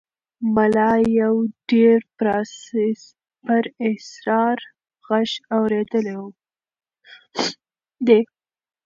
ملا یو ډېر پراسرار غږ اورېدلی دی.